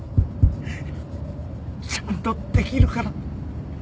ちゃんとできるから